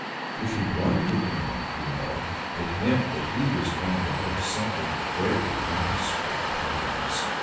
If he won the game, you know, it meant that he was going to have something very nice for a prize.